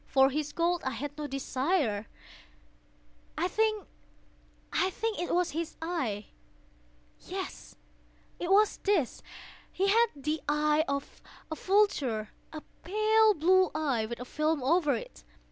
For his gold I had no desire. I think it was his eye! yes, it was this! He had the eye of a vulture—a pale blue eye, with a film over it.